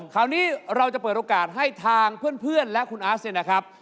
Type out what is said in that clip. คราวนี้เราจะเปิดโอกาสให้ทางเพื่อนและคุณอาร์สเนี่ยนะครับ